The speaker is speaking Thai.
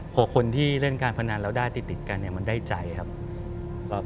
พอคนที่เล่นการพนันแล้วได้ติดกันมันได้ใจครับ